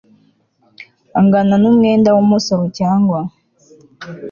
angana n umwenda w umusoro cyangwa